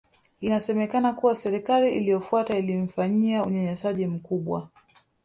Inasemekana kuwa Serikali iliyofuata ilimfanyia unyanyasaji mkubwa